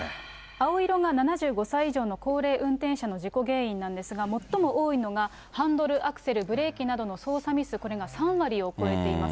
青色が７５歳以上の高齢運転者の事故原因なんですが、最も多いのが、ハンドル、アクセル、ブレーキなどの操作ミス、これが３割を超えています。